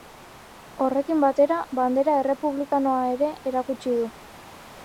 Horrekin batera, bandera errepublikanoa ere erakutsi du.